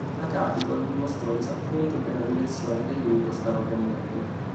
La Capitol dimostrò disappunto per la direzione che il gruppo stava prendendo.